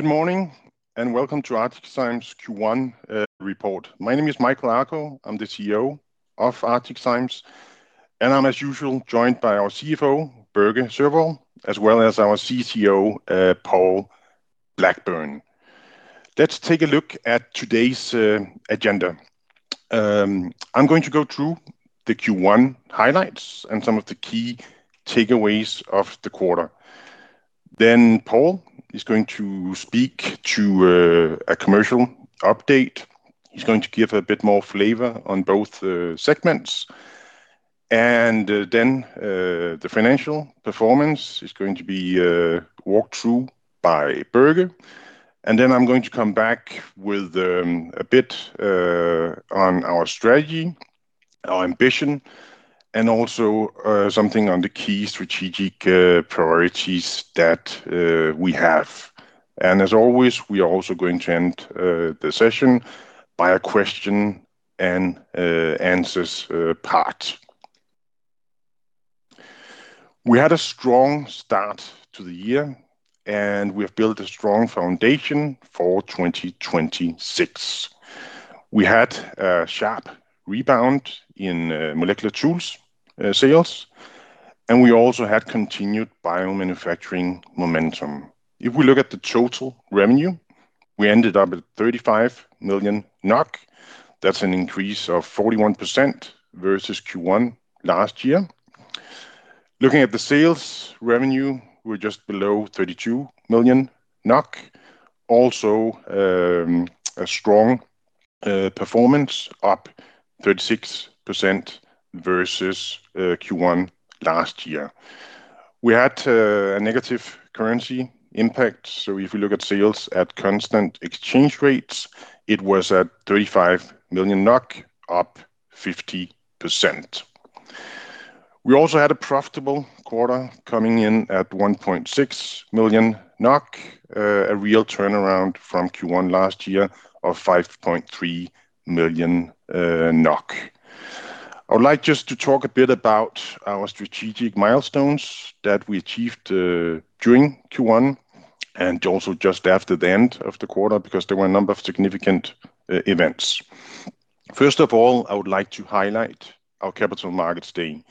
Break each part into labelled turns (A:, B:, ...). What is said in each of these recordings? A: Good morning, and welcome to ArcticZymes Technologies Q1 report. My name is Michael Akoh. I'm the CEO of ArcticZymes Technologies and I'm as usual joined by our CFO, Børge Sørvoll, as well as our CCO, Paul Blackburn. Let's take a look at today's agenda. I'm going to go through the Q1 highlights and some of the key takeaways of the quarter. Paul is going to speak to a commercial update. He's going to give a bit more flavor on both segments. The financial performance is going to be walked through by Børge. I'm going to come back with a bit on our strategy, our ambition, and also something on the key strategic priorities that we have as always, We are also going to end the session by a question and answers part. We had a strong start to the year, and we have built a strong foundation for 2026. We had a sharp rebound in molecular tools sales, and we also had continued biomanufacturing momentum. If we look at the total revenue, we ended up at 35 million NOK. That's an increase of 41% versus Q1 last year. Looking at the sales revenue, we're just below 32 million NOK. Also, a strong performance up 36% versus Q1 last year. We had a negative currency impact. So, if you look at sales at constant exchange rates. It was at 35 million NOK up 50%. We also had a profitable quarter coming in at 1.6 million NOK, a real turnaround from Q1 last year of 5.3 million NOK. I would like just to talk a bit about our strategic milestones that we achieved during Q1 and also just after the end of the quarter. Because, there were a number of significant events. First of all, I would like to highlight our Capital Markets Day.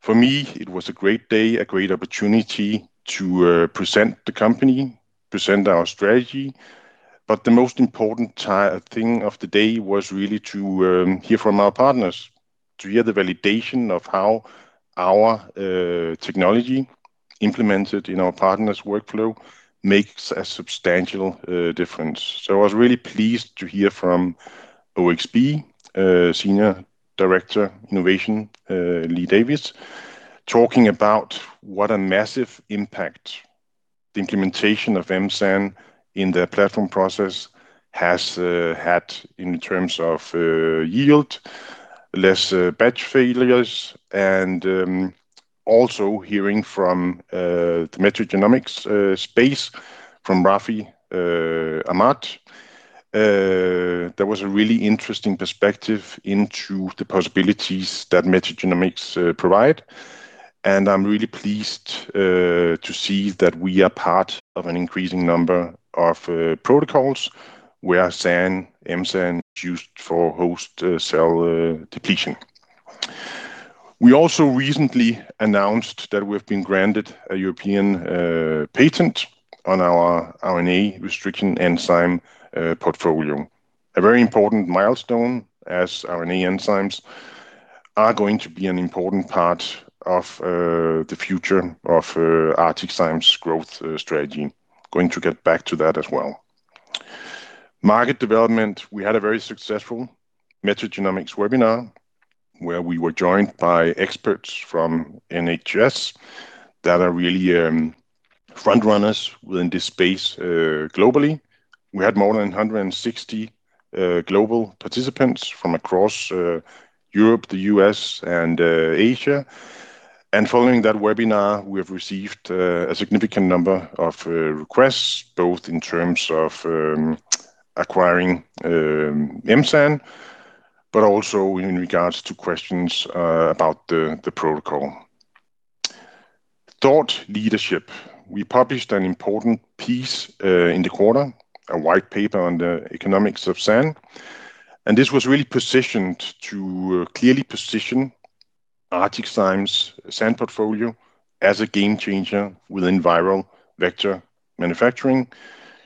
A: For me, it was a great day, a great opportunity to present the company, present our strategy. The most important thing of the day was really to hear from our partners to hear the validation of how our technology implemented in our partners' workflow makes a substantial difference. I was really pleased to hear from OXB, Senior Director Innovation, Lee Davies, talking about what a massive impact the implementation of M-SAN in their platform process has had in terms of yield, less batch failures, and also hearing from the metagenomics space from Rafi Ahmad. That was a really interesting perspective into the possibilities that metagenomics provide. I'm really pleased to see that we are part of an increasing number of protocols where M-SAN is used for host cell depletion. We also recently announced that we've been granted a European patent on our RNA restriction enzyme portfolio. A very important milestone as RNA enzymes are going to be an important part of the future of ArcticZymes Technologies growth strategy. Going to get back to that as well. Market development, we had a very successful metagenomics webinar where we were joined by experts from NHS that are really front runners within this space globally. We had more than 160 global participants from across Europe, the U.S., and Asia. Following that webinar, we have received a significant number of requests. Both in terms of acquiring M-SAN, but also in regards to questions about the protocol. Thought leadership, we published an important piece in the quarter a white paper on the economics of SAN, and this was really positioned to clearly position ArcticZymes Technologies SAN portfolio as a game changer within viral vector manufacturing,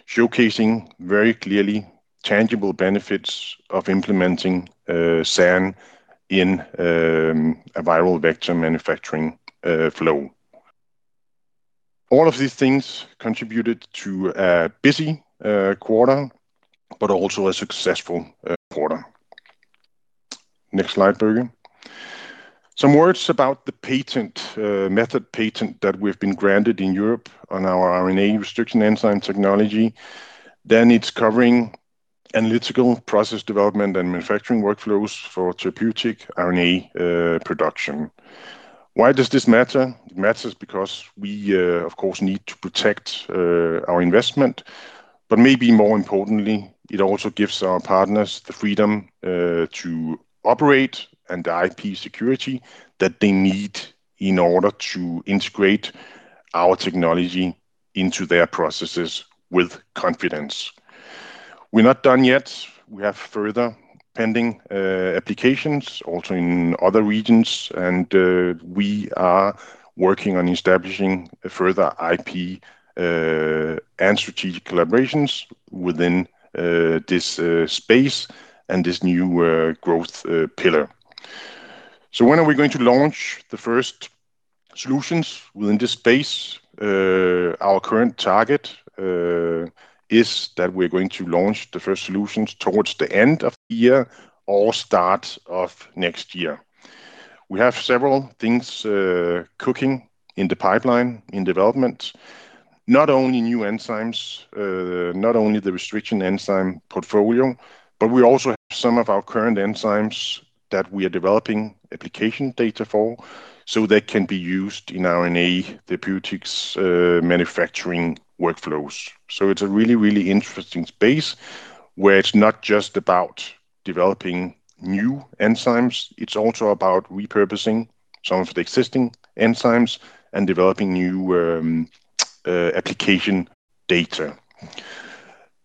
A: showcasing very clearly tangible benefits of implementing SAN in a viral vector manufacturing flow. All of these things contributed to a busy quarter, but also a successful quarter. Next slide, Børge. Some words about the method patent that we've been granted in Europe on our RNA restriction enzyme technology. It's covering analytical process development and manufacturing workflows for therapeutic RNA production. Why does this matter? It matters because we of course need to protect our investment. Maybe more importantly, it also gives our partners the freedom to operate and the IP security that they need in order to integrate our technology into their processes with confidence. We're not done yet. We have further pending applications also in other regions, and we are working on establishing a further IP and strategic collaborations within this space and this new growth pillar. When are we going to launch the first solutions within this space? Our current target is that we're going to launch the first solutions towards the end of the year or start of next year. We have several things cooking in the pipeline in development. Not only new enzymes not only the restriction enzyme portfolio, but we also have some of our current enzymes that we are developing application data for. So they can be used in RNA therapeutics manufacturing workflows. It's a really, really interesting space where it's not just about developing new enzymes. It's also about repurposing some of the existing enzymes and developing new application data.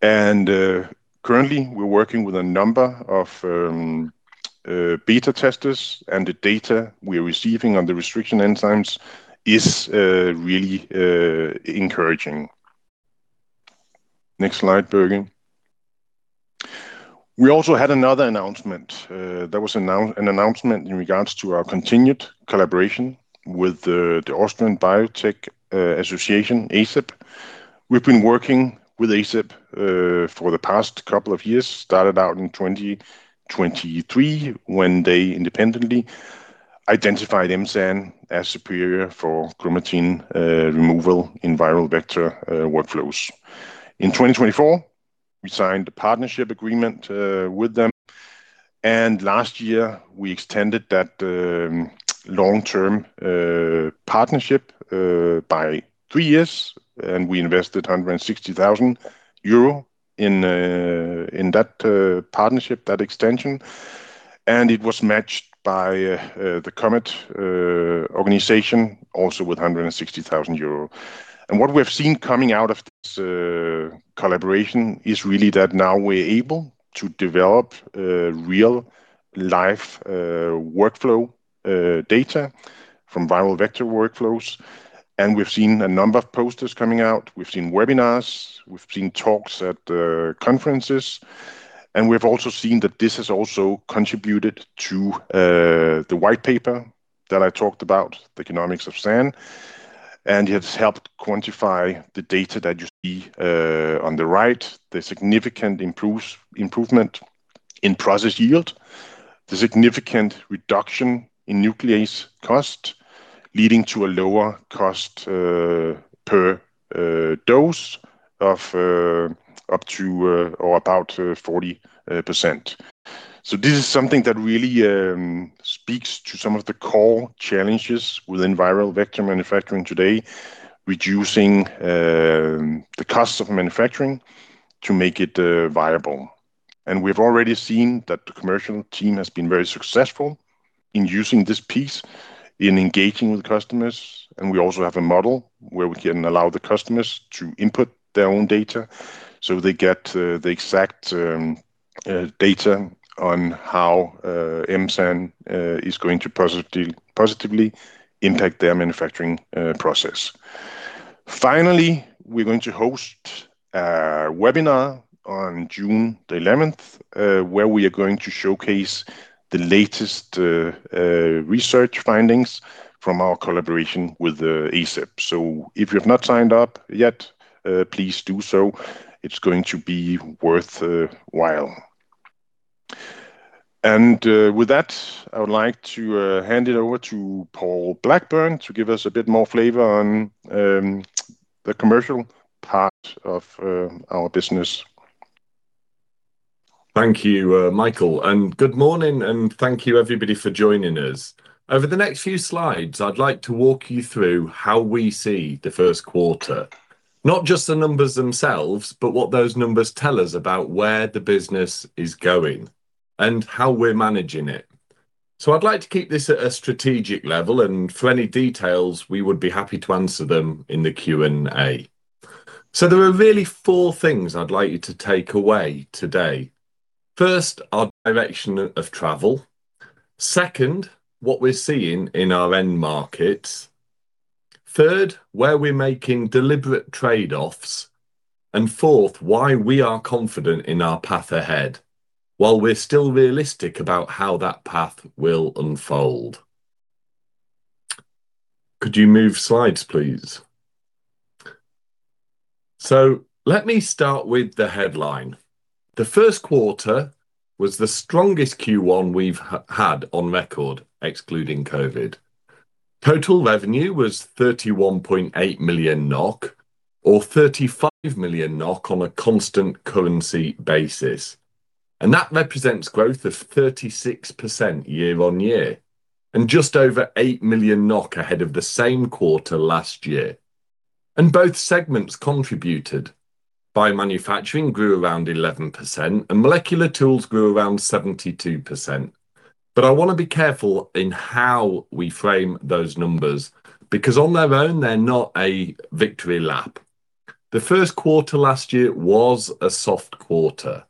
A: Currently, we're working with a number of beta testers, and the data we're receiving on the restriction enzymes is really encouraging. Next slide, Børge. We also had another announcement, an announcement in regards to our continued collaboration with the Austrian Centre of Industrial Biotechnology, acib. We've been working with acib for the past couple of years. Started out in 2023 when they independently identified M-SAN as superior for chromatin removal in viral vector workflows. 2024, we signed a partnership agreement with them. Last year we extended that long-term partnership by three years, and we invested 160,000 euro in that partnership that extension. It was matched by the COMET organization, also with 160,000 euro. What we have seen coming out of this collaboration is really that now we're able to develop real-life workflow data from viral vector workflows. We've seen a number of posters coming out. We've seen webinars. We've seen talks at conferences. We've also seen that this has also contributed to the white paper that I talked about the economics of SAN, and it has helped quantify the data that you see on the right. The significant improvement in process yield, the significant reduction in nuclease cost leading to a lower cost per dose of up to or about 40%. This is something that really speaks to some of the core challenges within viral vector manufacturing today reducing the costs of manufacturing to make it viable. We've already seen that the commercial team has been very successful in using this piece in engaging with customers, and we also have a model where we can allow the customers to input their own data. So they get the exact data on how M-SAN is going to positively impact their manufacturing process. Finally, we're going to host a webinar on June 11th, where we are going to showcase the latest research findings from our collaboration with acib. If you have not signed up yet. Please do so. It's going to be worth while with that, I would like to hand it over to Paul Blackburn to give us a bit more flavor on the commercial part of our business.
B: Thank you, Michael. Good morning, and thank you, everybody for joining us. Over the next few slides, I'd like to walk you through how we see the first quarter. Not just the numbers themselves, but what those numbers tell us about where the business is going and how we're managing it. I'd like to keep this at a strategic level and for any details, we would be happy to answer them in the Q&A. There are really four things I'd like you to take away today. First, our direction of travel. Second, what we're seeing in our end markets. Third, where we're making deliberate trade-offs. Fourth, why we are confident in our path ahead, while we're still realistic about how that path will unfold. Could you move slides, please? Let me start with the headline. The first quarter was the strongest Q1 we've had on record excluding COVID. Total revenue was 31.8 million-35 million NOK on a constant currency basis. That represents growth of 36% year-on-year and just over 8 million NOK ahead of the same quarter last year. Both segments contributed. Biomanufacturing grew around 11%, and molecular tools grew around 72%. I wanna be careful in how we frame those numbers because on their own, they're not a victory lap. The first quarter last year was a soft quarter.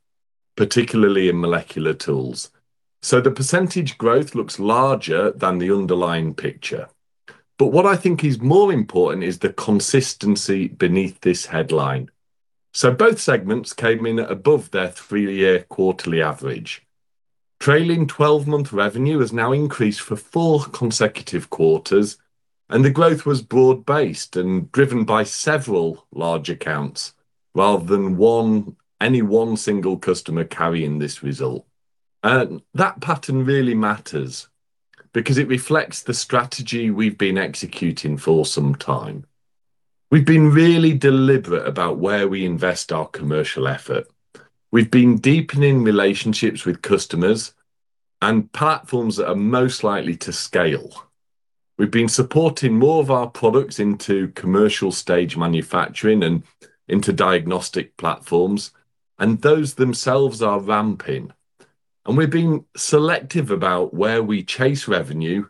B: Particularly in molecular tools. The percentage growth looks larger than the underlying picture. What I think is more important is the consistency beneath this headline. Both segments came in above their three year quarterly average. Trailing 12-month revenue has now increased for four consecutive quarters. The growth was broad-based and driven by several large accounts rather than any one single customer carrying this result. That pattern really matters because it reflects the strategy we've been executing for some time. We've been really deliberate about where we invest our commercial effort. We've been deepening relationships with customers and platforms that are most likely to scale. We've been supporting more of our products into commercial stage manufacturing and into diagnostic platforms. Those themselves are ramping. We're being selective about where we chase revenue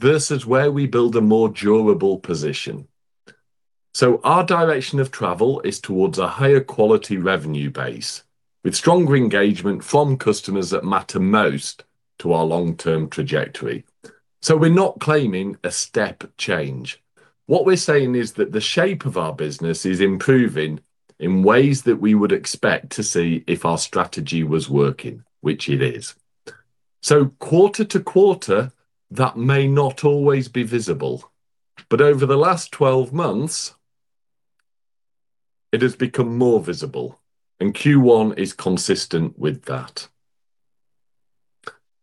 B: versus where we build a more durable position. Our direction of travel is towards a higher quality revenue base with stronger engagement from customers that matter most to our long-term trajectory. We're not claiming a step change. What we're saying is that the shape of our business is improving in ways that we would expect to see if our strategy was working which it is. Quarter to quarter that may not always be visible, but over the last 12 months, it has become more visible, and Q1 is consistent with that.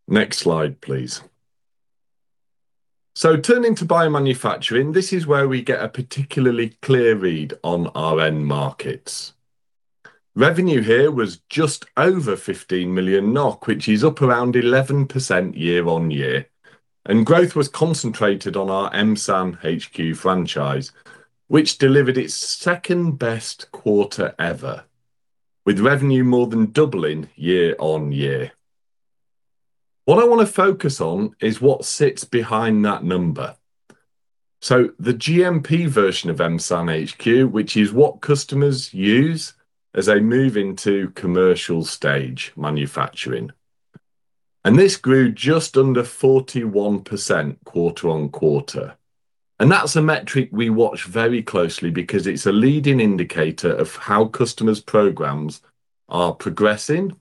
B: Next slide, please. Turning to biomanufacturing, this is where we get a particularly clear read on our end markets. Revenue here was just over 15 million NOK, which is up around 11% year-on-year. Growth was concentrated on our M-SAN HQ franchise, which delivered its second best quarter ever with revenue more than doubling year-on-year. What I wanna focus on is what sits behind that number. The GMP version of M-SAN HQ, which is what customers use as they move into commercial stage manufacturing. This grew just under 41% quarter-on-quarter. That's a metric we watch very closely because it's a leading indicator of how customers' programs are progressing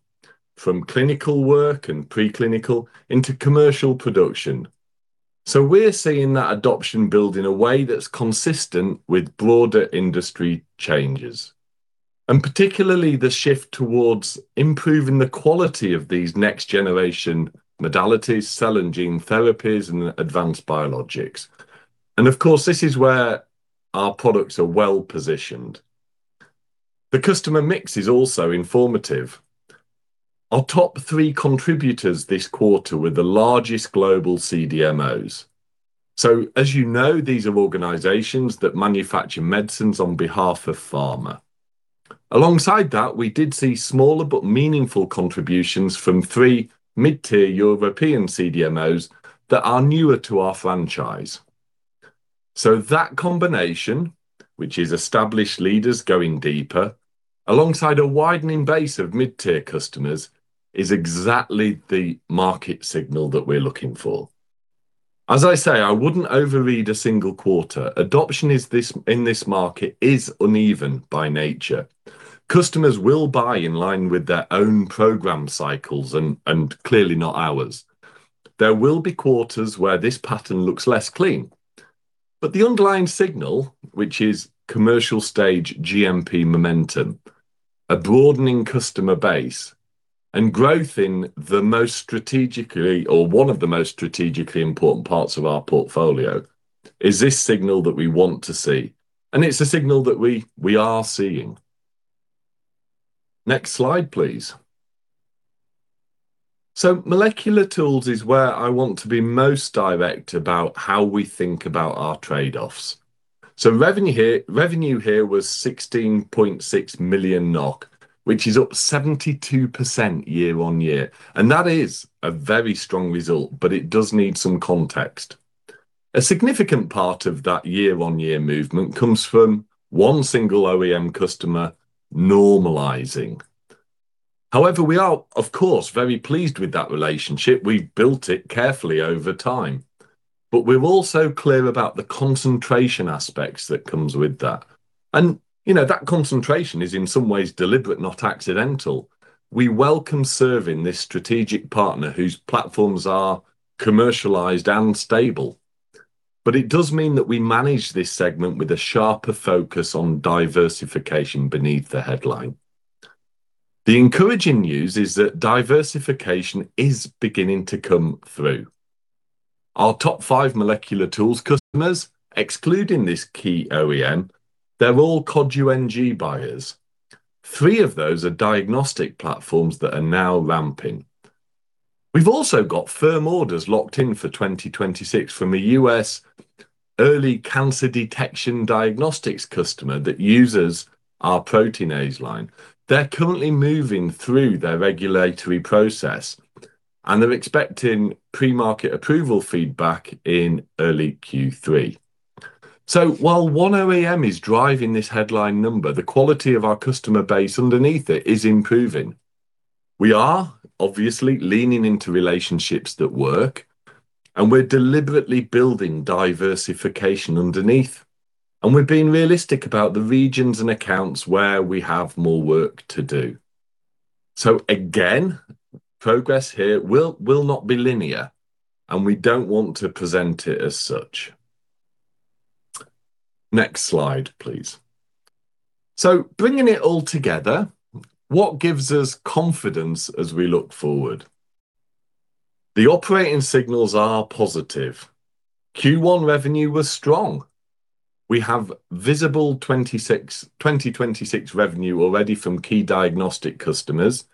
B: from clinical work and preclinical into commercial production. We're seeing that adoption build in a way that's consistent with broader industry changes, and particularly the shift towards improving the quality of these next-generation modalities, cell and gene therapies, and advanced biologics. Of course, this is where our products are well-positioned. The customer mix is also informative. Our top three contributors this quarter were the largest global CDMOs. As you know, these are organizations that manufacture medicines on behalf of pharma. Alongside that, we did see smaller but meaningful contributions from three mid-tier European CDMOs that are newer to our franchise. That combination, which is established leaders going deeper alongside a widening base of mid-tier customers, is exactly the market signal that we're looking for. As I say, I wouldn't overread a single quarter. Adoption in this market is uneven by nature. Customers will buy in line with their own program cycles and clearly not ours. There will be quarters where this pattern looks less clean. The underlying signal, which is commercial stage GMP momentum, a broadening customer base, and growth in the most strategically or one of the most strategically important parts of our portfolio, is this signal that we want to see, and it's a signal that we are seeing. Next slide, please. Molecular tools is where I want to be most direct about how we think about our trade-offs. Revenue here was 16.6 million NOK, which is up 72% year-on-year, that is a very strong result. It does need some context. A significant part of that year-on-year movement comes from one single OEM customer normalizing. However, we are of course, very pleased with that relationship. We've built it carefully over time. We're also clear about the concentration aspects that comes with that. You know, that concentration is in some ways deliberate, not accidental. We welcome serving this strategic partner whose platforms are commercialized and stable. It does mean that we manage this segment with a sharper focus on diversification beneath the headline. The encouraging news is that diversification is beginning to come through. Our top five molecular tools customers excluding this key OEM they're all Cod UNG buyers three of those are diagnostic platforms that are now ramping. We've also got firm orders locked in for 2026 from a U.S. early cancer detection diagnostics customer that uses our Proteinase line. They're currently moving through their regulatory process. They're expecting pre-market approval feedback in early Q3. While one OEM is driving this headline number, the quality of our customer base underneath it is improving. We are obviously leaning into relationships that work, and we're deliberately building diversification underneath, and we're being realistic about the regions and accounts where we have more work to do. Again, progress here will not be linear, and we don't want to present it as such. Next slide, please. Bringing it all together, what gives us confidence as we look forward? The operating signals are positive. Q1 revenue was strong. We have visible 2026 revenue already from key diagnostic customers.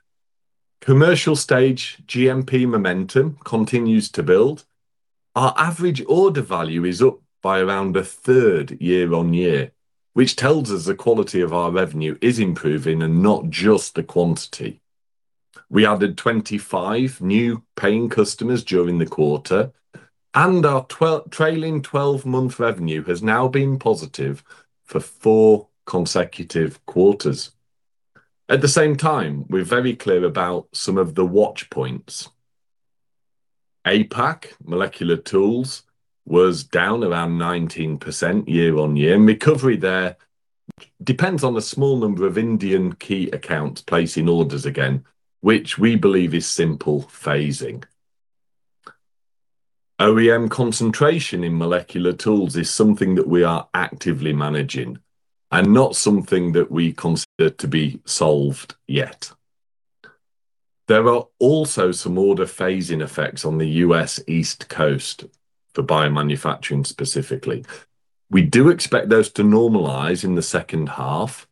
B: Commercial stage GMP momentum continues to build. Our average order value is up by around a third year-on-year, which tells us the quality of our revenue is improving and not just the quantity. We added 25 new paying customers during the quarter, and our trailing twelve-month revenue has now been positive for four consecutive quarters. At the same time, we're very clear about some of the watch points. APAC molecular tools was down around 19% year-on-year, recovery there depends on a small number of Indian key accounts placing orders again, which we believe is simple phasing. OEM concentration in molecular tools is something that we are actively managing and not something that we consider to be solved yet. There are also some order phasing effects on the U.S. East Coast for biomanufacturing specifically. We do expect those to normalize in the H2.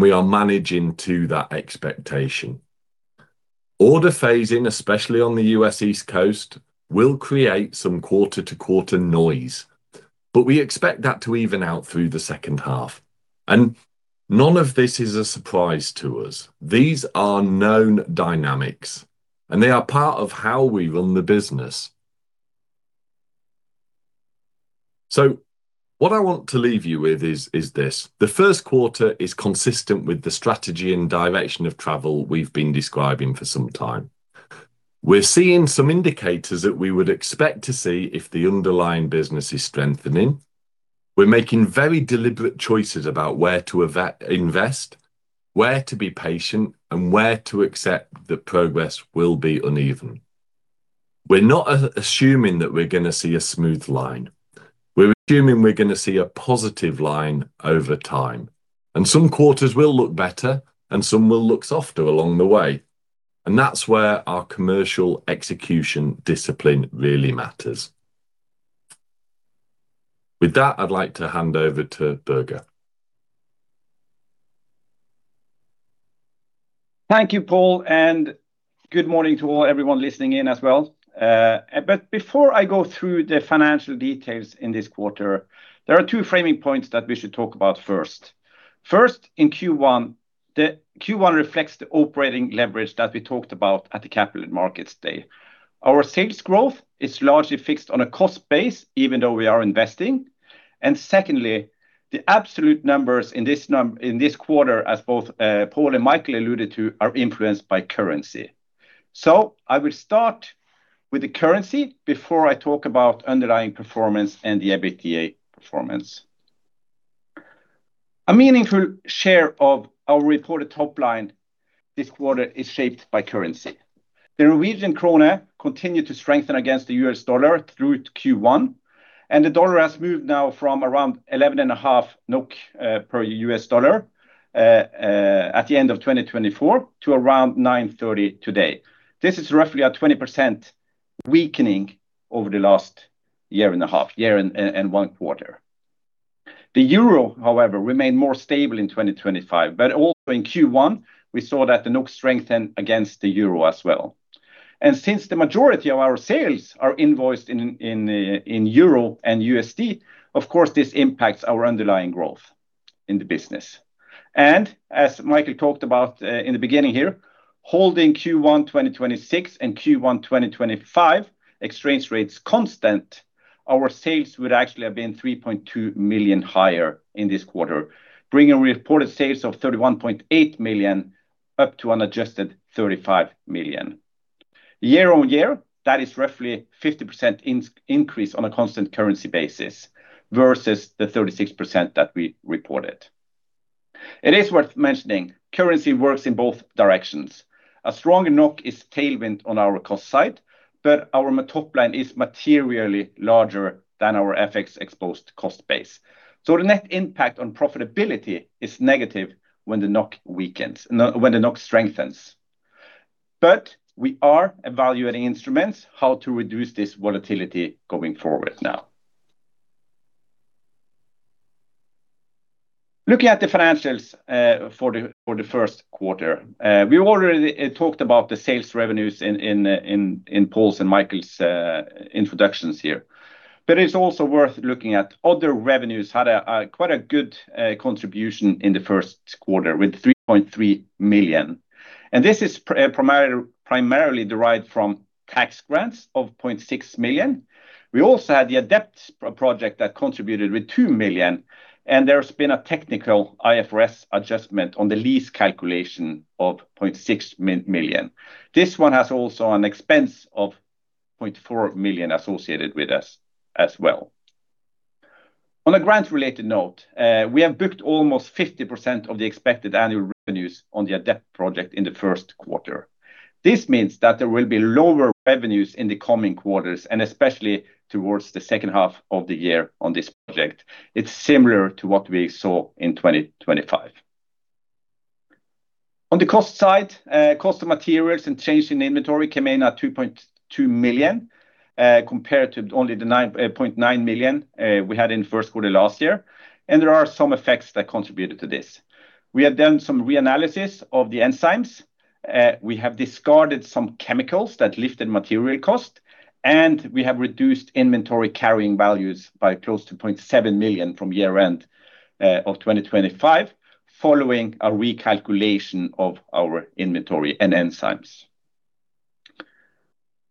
B: We are managing to that expectation. Order phasing, especially on the U.S. East Coast, will create some quarter-to-quarter noise. We expect that to even out through the H2. None of this is a surprise to us. These are known dynamics. They are part of how we run the business. What I want to leave you with is this. The first quarter is consistent with the strategy and direction of travel we've been describing for some time. We're seeing some indicators that we would expect to see if the underlying business is strengthening. We're making very deliberate choices about where to invest, where to be patient. Where to accept that progress will be uneven. We're not assuming that we're gonna see a smooth line. We're assuming we're gonna see a positive line over time, and some quarters will look better and some will look softer along the way, and that's where our commercial execution discipline really matters. With that, I'd like to hand over to Børge Sørvoll.
C: Thank you, Paul, and good morning to all everyone listening in as well. Before I go through the financial details in this quarter, there are two framing points that we should talk about first. First, in Q1. The Q1 reflects the operating leverage that we talked about at the Capital Markets Day. Our sales growth is largely fixed on a cost base even though we are investing. Secondly, the absolute numbers in this quarter as both, Paul and Michael alluded to are influenced by currency. I will start with the currency before I talk about underlying performance and the EBITDA performance. A meaningful share of our reported top line this quarter is shaped by currency. The Norwegian krone continued to strengthen against the US dollar through Q1. The dollar has moved now from around 11.5 per US dollar at the end of 2024 to around 9.30 today. This is roughly a 20% weakening over the last year and a half year and one quarter. The EUR. However, remained more stable in 2025. Also in Q1, we saw that the NOK strengthened against the EUR as well. Since the majority of our sales are invoiced in EUR and USD, of course, this impacts our underlying growth in the business. As Michael talked about, in the beginning here, holding Q1 2026 and Q1 2025 exchange rates constant, our sales would actually have been 3.2 million higher in this quarter, bringing reported sales of 31.8 million up to an adjusted 35 million. Year-on-year, that is roughly 50% increase on a constant currency basis versus the 36% that we reported. It is worth mentioning currency works in both directions. A stronger NOK is tailwind on our cost side, but our top line is materially larger than our FX-exposed cost base. The net impact on profitability is negative when the NOK strengthens. We are evaluating instruments how to reduce this volatility going forward now. Looking at the financials for the first quarter, we already talked about the sales revenues in Paul's and Michael's introductions here. It's also worth looking at other revenues had a quite a good contribution in the first quarter with 3.3 million. This is primarily derived from tax grants of 0.6 million. We also had the Adept project that contributed with 2 million, and there's been a technical IFRS adjustment on the lease calculation of 0.6 million. This one has also an expense of 0.4 million associated with this as well. On a grant-related note, we have booked almost 50% of the expected annual revenues on the Adept project in the first quarter. This means that there will be lower revenues in the coming quarters, and especially towards the second half of the year on this project. It's similar to what we saw in 2025. On the cost side, cost of materials and change in inventory came in at 2.2 million compared to only 0.9 million we had in first quarter last year. There are some effects that contributed to this. We have done some reanalysis of the enzymes. We have discarded some chemicals that lifted material cost, and we have reduced inventory carrying values by close to 0.7 million from year end of 2025 following a recalculation of our inventory and enzymes.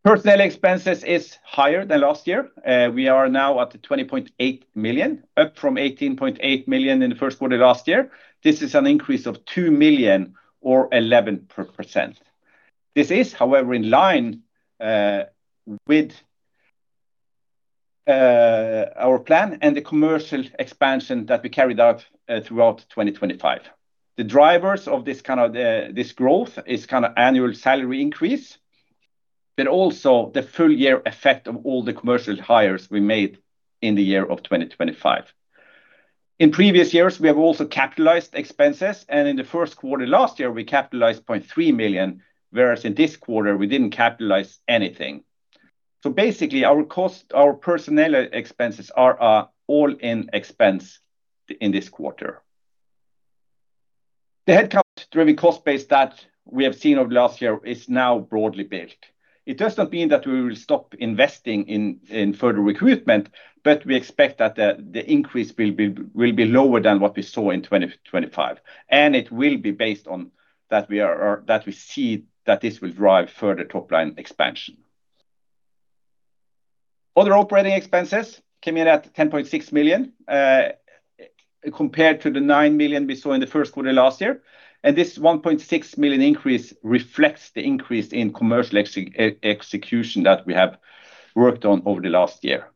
C: Personnel expenses is higher than last year. We are now at the 20.8 million, up from 18.8 million in the first quarter last year. This is an increase of 2 million or 11%. This is, however, in line with our plan and the commercial expansion that we carried out throughout 2025. The drivers of this kind of this growth is kind of annual salary increase, but also the full-year effect of all the commercial hires we made in the year of 2025. In previous years, we have also capitalized expenses and in the first quarter last year, we capitalized 0.3 million, whereas in this quarter we didn't capitalize anything. Basically, our personnel expenses are all in expense in this quarter. The headcount-driven cost base that we have seen over last year is now broadly built. It does not mean that we will stop investing in further recruitment, but we expect that the increase will be lower than what we saw in 2025. It will be based on that we see that this will drive further top-line expansion. Other operating expenses came in at 10.6 million compared to the 9 million we saw in the first quarter last year. This 1.6 million increase reflects the increase in commercial execution that we have worked on over the last year.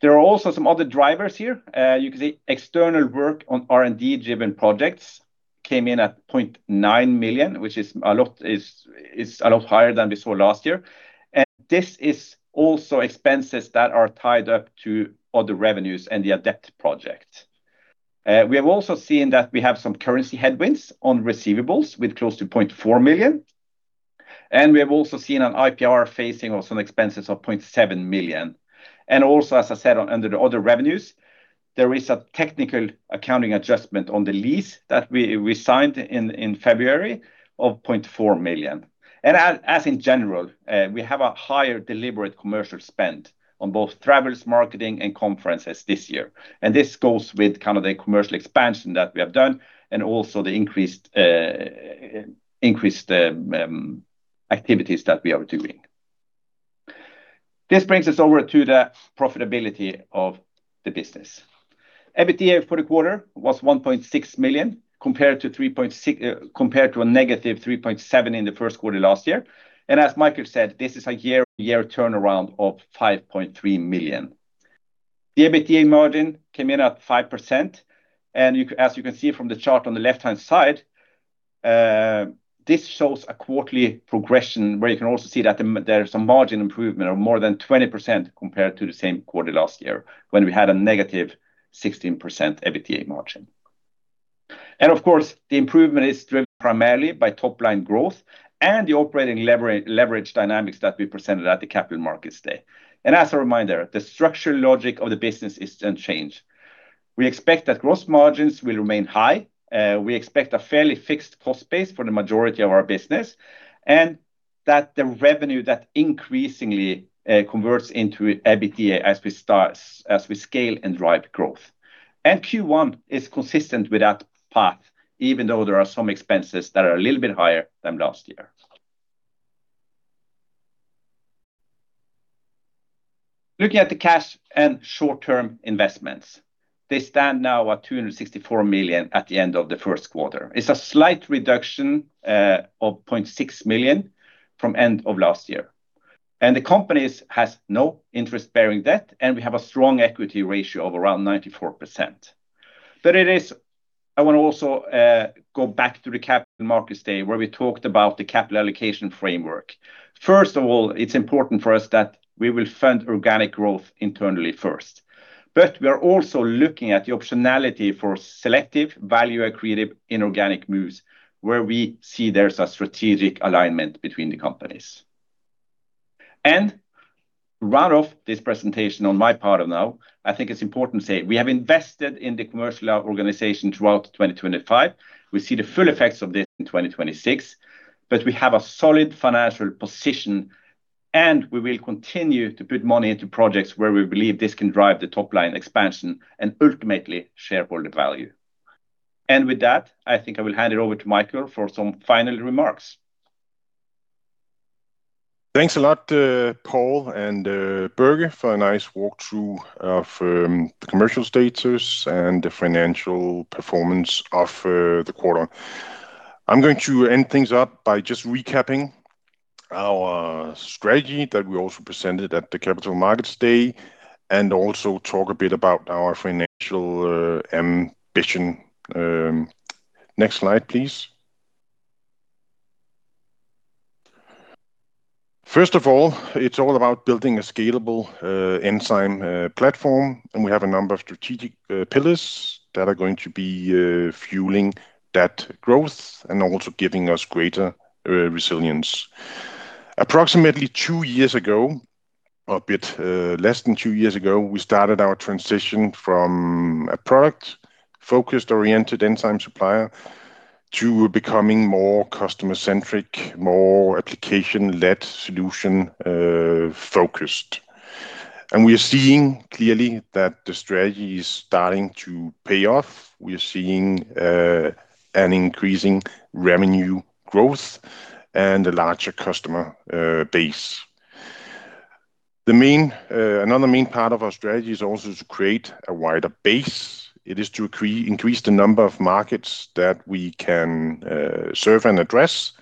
C: There are also some other drivers here. You can see external work on R&D-driven projects came in at 0.9 million, which is a lot higher than we saw last year. This is also expenses that are tied up to other revenues and the ADEPT project. We have also seen that we have some currency headwinds on receivables with close to 0.4 million. We have also seen an IPR phasing of some expenses of 0.7 million. Also, as I said under the other revenues. There is a technical accounting adjustment on the lease that we signed in February of 0.4 million. As in general, we have a higher deliberate commercial spend on both travels, marketing, and conferences this year. This goes with kind of the commercial expansion that we have done and also the increased activities that we are doing. This brings us over to the profitability of the business. EBITDA for the quarter was 1.6 million compared to a negative 3.7 million in the first quarter last year. As Michael said, this is a year-on-year turnaround of 5.3 million. The EBITDA margin came in at 5%. As you can see from the chart on the left-hand side, this shows a quarterly progression where you can also see that there is some margin improvement of more than 20% compared to the same quarter last year when we had a negative 16% EBITDA margin. Of course, the improvement is driven primarily by top-line growth and the operating leverage dynamics that we presented at the Capital Markets Day. As a reminder, the structural logic of the business is unchanged. We expect that gross margins will remain high. We expect a fairly fixed cost base for the majority of our business, that the revenue that increasingly converts into EBITDA as we scale and drive growth. Q1 is consistent with that path even though there are some expenses that are a little bit higher than last year. Looking at the cash and short-term investments, they stand now at 264 million at the end of the first quarter. It's a slight reduction of 0.6 million from end of last year. The company has no interest-bearing debt, and we have a strong equity ratio of around 94%. I want to also go back to the Capital Markets Day where we talked about the capital allocation framework. First of all, it's important for us that we will fund organic growth internally first. We are also looking at the optionality for selective value-accretive inorganic moves where we see there's a strategic alignment between the companies. To round off this presentation on my part now, I think it's important to say we have invested in the commercial organization throughout 2025. We see the full effects of this in 2026, but we have a solid financial position, and we will continue to put money into projects where we believe this can drive the top-line expansion and ultimately shareholder value. With that, I think I will hand it over to Michael for some final remarks.
A: Thanks a lot, Paul and Børge, for a nice walkthrough of the commercial status and the financial performance of the quarter. I'm going to end things up by just recapping our strategy that we also presented at the Capital Markets Day and also talk a bit about our financial ambition. Next slide, please. First of all, it's all about building a scalable enzyme platform, we have a number of strategic pillars that are going to be fueling that growth and also giving us greater resilience. Approximately two years ago, a bit less than two years ago, we started our transition from a product-focused oriented enzyme supplier to becoming more customer-centric more application-led solution focused. We are seeing clearly that the strategy is starting to pay off. We are seeing an increasing revenue growth and a larger customer base. Another main part of our strategy is also to create a wider base. It is to increase the number of markets that we can serve and address,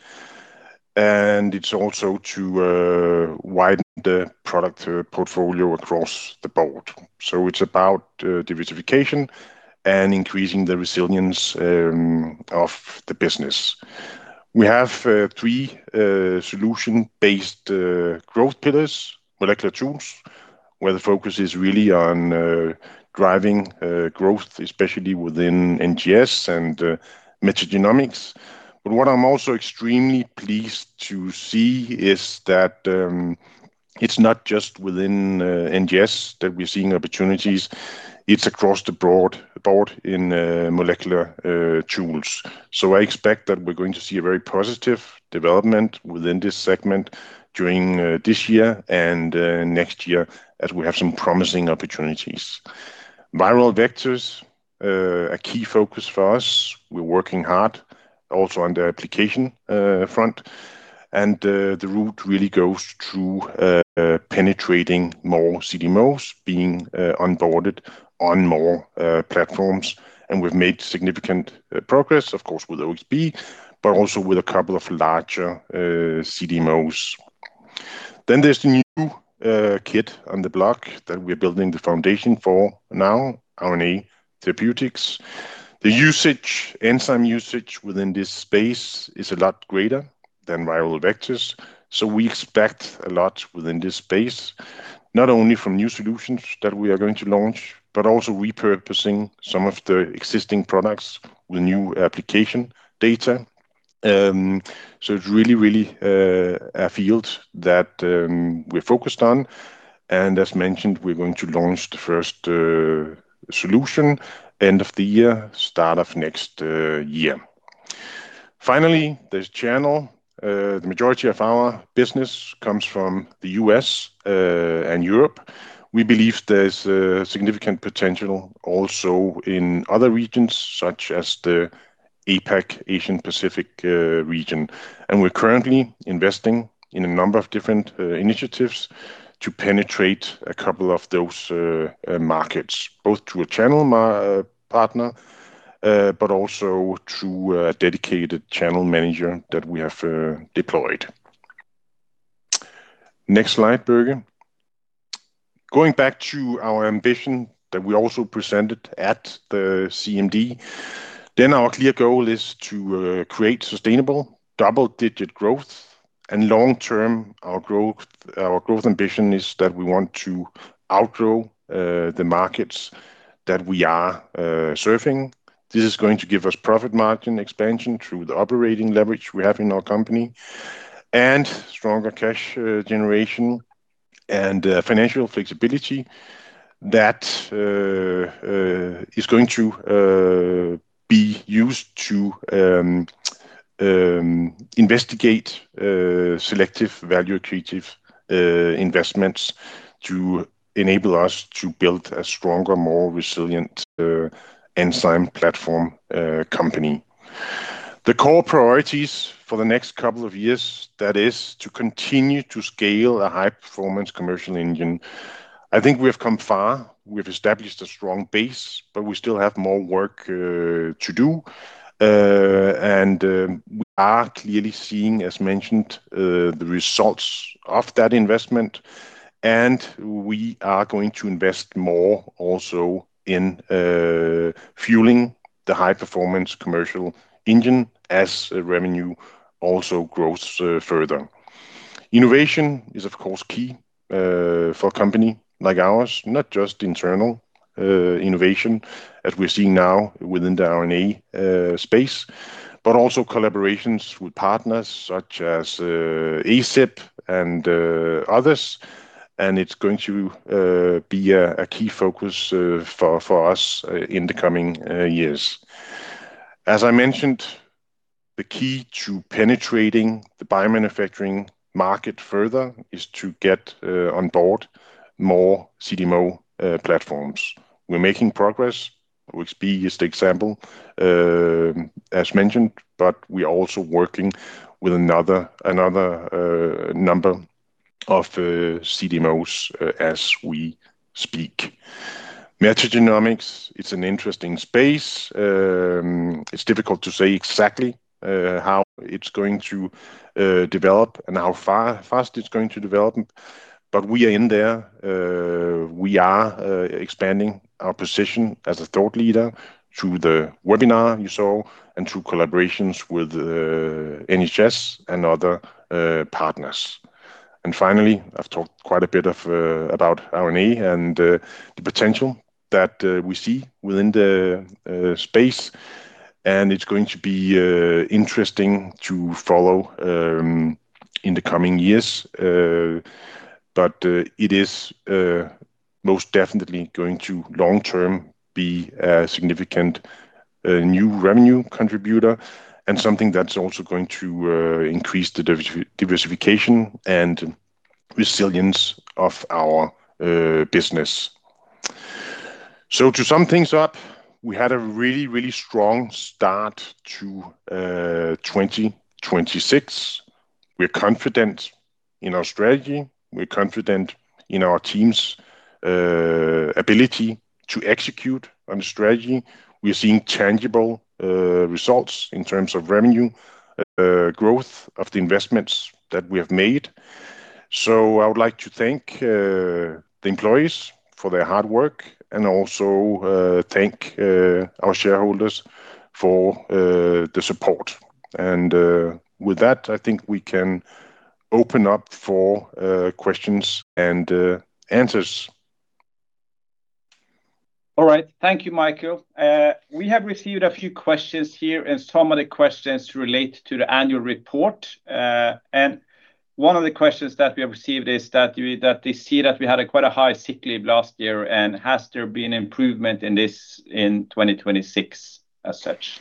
A: and it's also to widen the product portfolio across the board. It's about diversification and increasing the resilience of the business. We have three solution-based growth pillars, molecular tools, where the focus is really on driving growth, especially within NGS and metagenomics. What I'm also extremely pleased to see is that it's not just within NGS that we're seeing opportunities, it's across the board in molecular tools. I expect that we're going to see a very positive development within this segment during this year and next year as we have some promising opportunities. Viral vectors are a key focus for us. We're working hard also on the application front, and the route really goes through penetrating more CDMOs being onboarded on more platforms. We've made significant progress. Of course, with OXB but also with a couple of larger CDMOs. There's the new kid on the block that we're building the foundation for now, RNA therapeutics. The usage, enzyme usage within this space is a lot greater than viral vectors. So we expect a lot within this space, not only from new solutions that we are going to launch, but also repurposing some of the existing products with new application data. It's really, really a field that we're focused on. As mentioned, we're going to launch the first solution end of the year, start of next year. Finally, there's channel. The majority of our business comes from the U.S. and Europe. We believe there's significant potential also in other regions such as the APAC, Asian Pacific region. We're currently investing in a number of different initiatives to penetrate a couple of those markets, both to a channel partner, but also through a dedicated channel manager that we have deployed. Next slide, Børge. Going back to our ambition that we also presented at the CMD, our clear goal is to create sustainable double-digit growth. Long term, our growth ambition is that we want to outgrow the markets that we are serving. This is going to give us profit margin expansion through the operating leverage we have in our company and stronger cash generation and financial flexibility that is going to be used to investigate selective value creative investments to enable us to build a stronger more resilient enzyme platform company. The core priorities for the next couple of years, that is to continue to scale a high-performance commercial engine. I think we have come far. We've established a strong base, but we still have more work to do. We are clearly seeing, as mentioned, the results of that investment, and we are going to invest more also in fueling the high-performance commercial engine as revenue also grows further. Innovation is of course, key for a company like ours, not just internal innovation that we're seeing now within the RNA space, but also collaborations with partners such as acib and others, and it's going to be a key focus for us in the coming years. As I mentioned, the key to penetrating the biomanufacturing market further is to get on board more CDMO platforms. We're making progress OXB is the example, as mentioned, but we're also working with another number of CDMOs as we speak. Metagenomics, it's an interesting space. It's difficult to say exactly how it's going to develop and how fast it's going to develop, but we are in there. We are expanding our position as a thought leader through the webinar you saw and through collaborations with NHS and other partners. Finally, I've talked quite a bit about RNA and the potential that we see within the space, and it's going to be interesting to follow in the coming years. It is most definitely going to long term be a significant new revenue contributor and something that's also going to increase the diversification and resilience of our business. To sum things up, we had a really really strong start to 2026. We're confident in our strategy. We're confident in our team's ability to execute on the strategy. We're seeing tangible results in terms of revenue growth of the investments that we have made. I would like to thank the employees for their hard work and also thank our shareholders for the support. With that, I think we can open up for questions and answers.
C: All right. Thank you, Michael. We have received a few questions here, and some of the questions relate to the annual report. One of the questions that we have received is that they see that we had a quite a high sick leave last year, and has there been improvement in this in 2026 as such?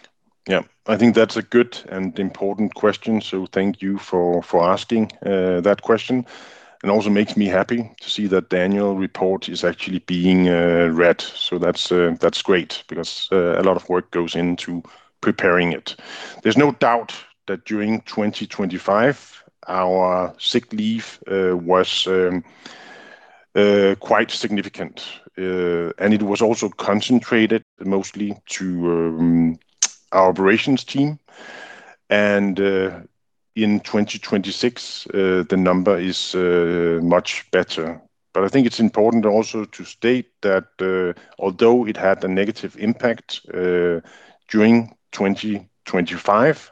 A: I think that's a good and important question, thank you for asking that question. Also makes me happy to see that the annual report is actually being read. That's great because a lot of work goes into preparing it. There's no doubt that during 2025, our sick leave was quite significant. It was also concentrated mostly to our operations team. In 2026, the number is much better. I think it's important also to state that although it had a negative impact during 2025,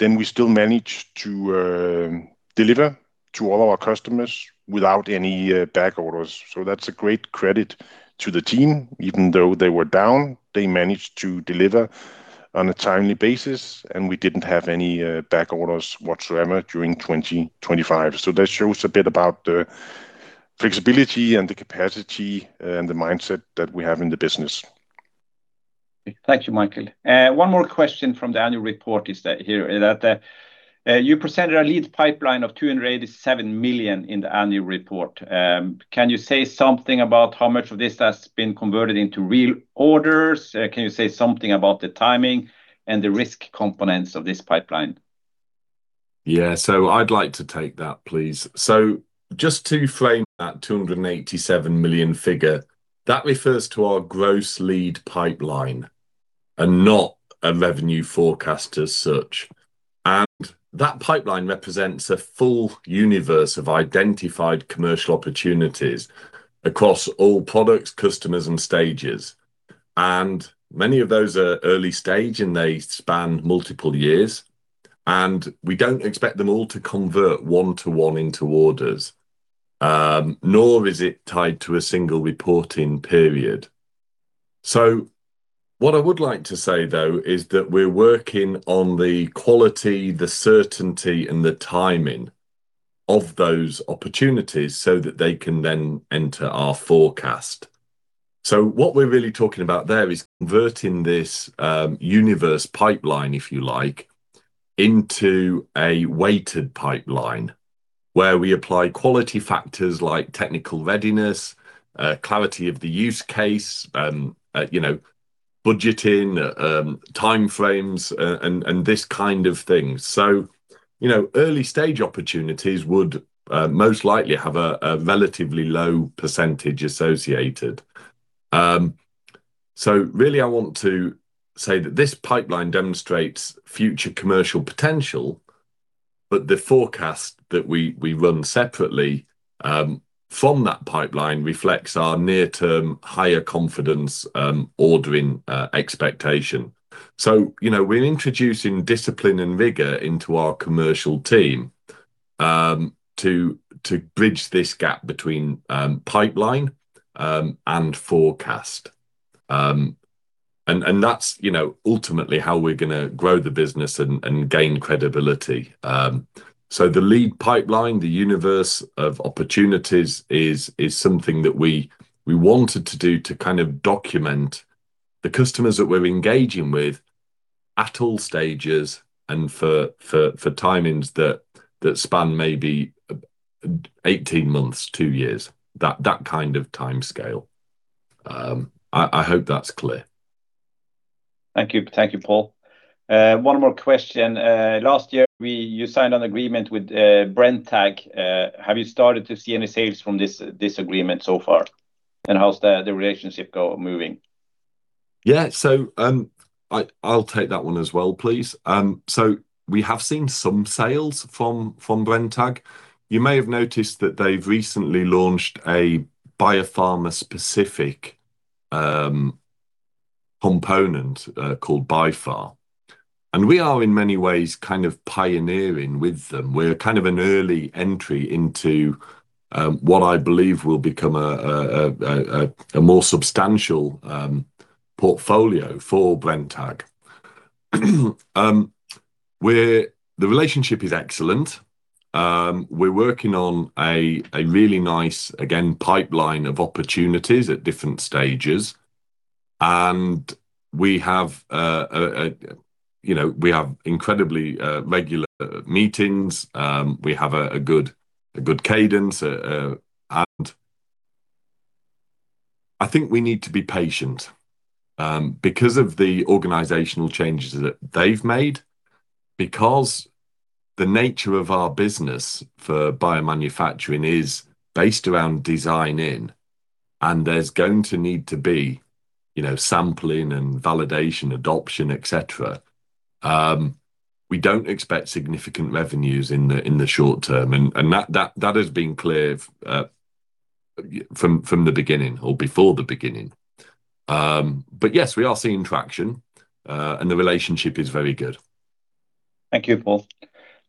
A: we still managed to deliver to all our customers without any back orders. That's a great credit to the team. Even though they were down, they managed to deliver on a timely basis, and we didn't have any back orders whatsoever during 2025. That shows a bit about the flexibility and the capacity and the mindset that we have in the business.
C: Thank you, Michael. One more question from the annual report is that, here. You presented a lead pipeline of 287 million in the annual report. Can you say something about how much of this has been converted into real orders? Can you say something about the timing and the risk components of this pipeline?
B: Yeah. I'd like to take that, please. Just to frame that 287 million figure, that refers to our gross lead pipeline and not a revenue forecast as such. That pipeline represents a full universe of identified commercial opportunities across all products, customers, and stages. Many of those are early stage, and they span multiple years and we don't expect them all to convert one to one into orders nor is it tied to a single reporting period. What I would like to say, though is that we're working on the quality. The certainty, and the timing of those opportunities so that they can then enter our forecast. What we're really talking about there is converting this, universe pipeline. If you like, into a weighted pipeline where we apply quality factors like technical readiness, clarity of the use case, you know, budgeting, time frames, and this kind of thing. You know, early stage opportunities would most likely have a relatively low percentage associated. Really, I want to say that this pipeline demonstrates future commercial potential, but the forecast that we run separately from that pipeline reflects our near-term higher confidence ordering expectation. You know, we're introducing discipline and rigor into our commercial team. To bridge this gap between pipeline and forecast. And that's, you know, ultimately how we're gonna grow the business and gain credibility. The lead pipeline, the universe of opportunities is something that we wanted to do to kind of document the customers that we're engaging with at all stages and for timings that span maybe 18 months, two years, that kind of timescale. I hope that's clear.
C: Thank you. Thank you, Paul. One more question. Last year, you signed an agreement with Brenntag. Have you started to see any sales from this agreement so far? How's the relationship moving?
B: Yeah. I'll take that one as well, please. We have seen some sales from Brenntag. You may have noticed that they've recently launched a BioPharma-specific component called BioPharma. We are in many ways kind of pioneering with them. We're kind of an early entry into what I believe will become a more substantial portfolio for Brenntag. The relationship is excellent. We're working on a really nice. Again, pipeline of opportunities at different stages and we have, you know, incredibly regular meetings. We have a good cadence. I think we need to be patient because of the organizational changes that they've made. Because the nature of our business for biomanufacturing is based around designing, and there's going to need to be, you know, sampling and validation, adoption, et cetera. We don't expect significant revenues in the short term, and that has been clear from the beginning or before the beginning. Yes, we are seeing traction and the relationship is very good.
C: Thank you, Paul.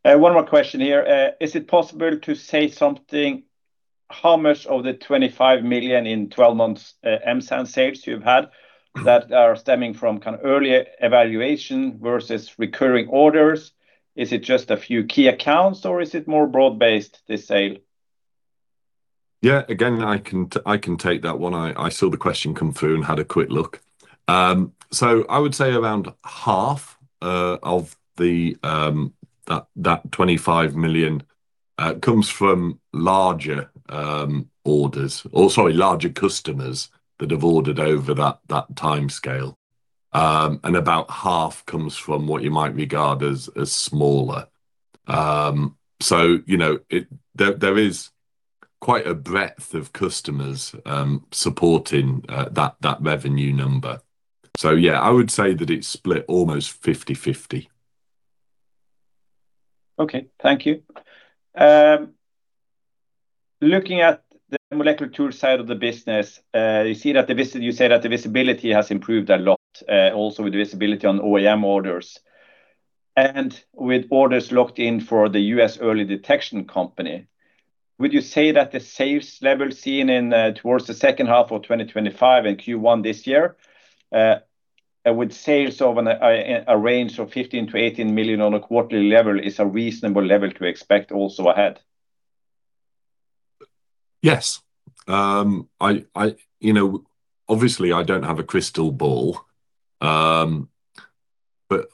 C: One more question here. Is it possible to say something how much of the 25 million in 12 months M-SAN sales you've had that are stemming from kind of early evaluation versus recurring orders? Is it just a few key accounts, or is it more broad-based, the sale?
B: Yeah. Again, I can take that one. I saw the question come through and had a quick look. I would say around half of the 25 million comes from larger orders. Sorry, larger customers that have ordered over that timescale. About half comes from what you might regard as smaller. You know, there is quite a breadth of customers supporting that revenue number. Yeah, I would say that it's split almost 50/50.
C: Okay. Thank you. Looking at the molecular tool side of the business. You say that the visibility has improved a lot also with the visibility on OEM orders. With orders locked in for the U.S. early detection company, would you say that the sales level seen in towards the H2 of 2025 and Q1 this year, would sales of a range of 15 million-18 million on a quarterly level is a reasonable level to expect also ahead?
B: Yes. I, you know, obviously, I don't have a crystal ball but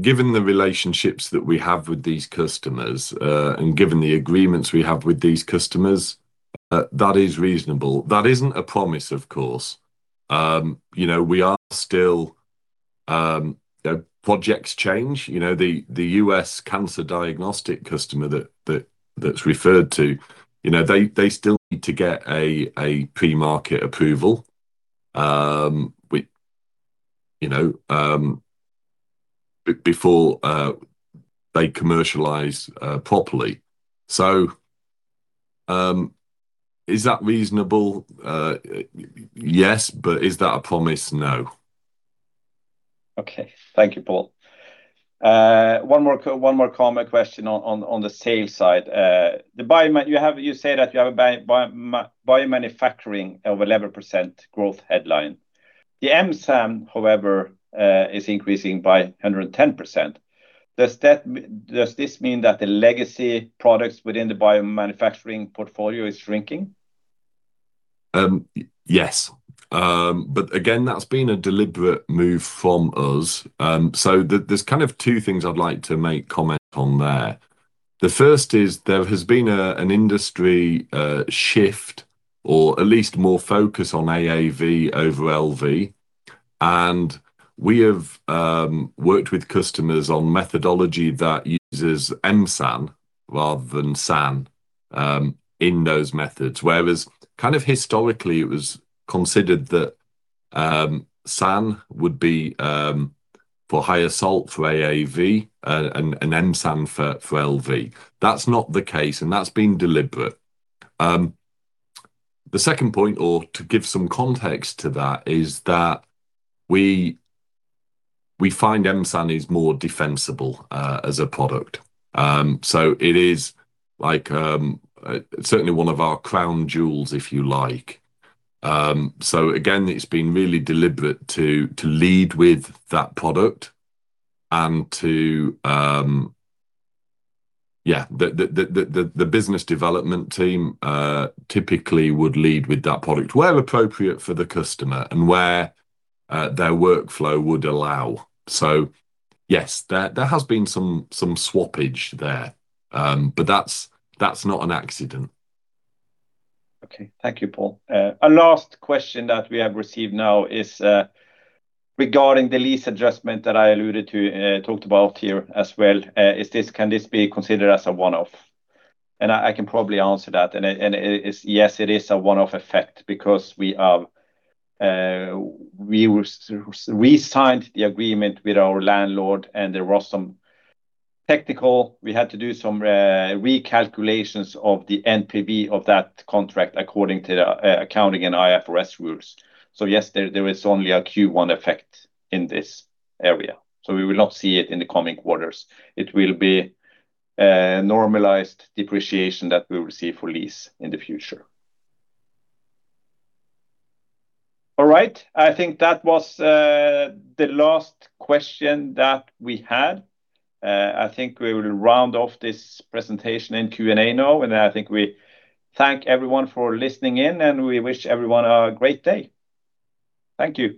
B: given the relationships that we have with these customers, and given the agreements we have with these customers that is reasonable. That isn't a promise. Of course. You know, we are still Projects change. You know, the U.S. cancer diagnostic customer that's referred to, you know, they still need to get a pre-market approval with, you know, before they commercialize properly. Is that reasonable? Yes. Is that a promise? No.
C: Okay. Thank you, Paul. One more comment question on the sales side. You say that you have a biomanufacturing of 11% growth headline. The M-SAN, however, is increasing by 110%. Does this mean that the legacy products within the biomanufacturing portfolio is shrinking?
B: Yes. Again, that's been a deliberate move from us. There, there's kind of two things I'd like to make comment on there. The first is there has been a an industry shift, or at least more focus on AAV over LV, and we have worked with customers on methodology that uses M-SAN rather than SAN in those methods. Whereas kind of historically, it was considered that SAN would be for high salt for AAV and M-SAN for LV. That's not the case, and that's been deliberate. The second point, or to give some context to that is that we find M-SAN is more defensible as a product. It is like, certainly one of our crown jewels, if you like. Again, it's been really deliberate to lead with that product and the business development team typically would lead with that product, where appropriate for the customer and where their workflow would allow. Yes, there has been some swappage there. That's not an accident.
C: Okay. Thank you, Paul. A last question that we have received now is regarding the lease adjustment that I alluded to, talked about here as well. Can this be considered as a one-off? I can probably answer that. It is, yes, it is a one-off effect because we signed the agreement with our landlord and there was some technical. We had to do some recalculations of the NPV of that contract according to the accounting and IFRS rules. Yes, there is only a Q1 effect in this area. So, we will not see it in the coming quarters. It will be normalized depreciation that we will see for lease in the future. All right. I think that was the last question that we had.I think we will round off this presentation and Q&A now. I think we thank everyone for listening in. We wish everyone a great day. Thank you.